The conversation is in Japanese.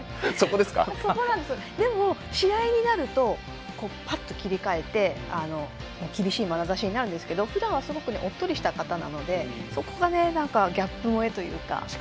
でも、試合になるとパッと切り替えて厳しいまなざしになるんですけどふだんはすごくおっとりした方なのでそこがギャップ萌えというか。